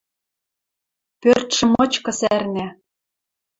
Пӧртшӹ мычкы сӓрнӓ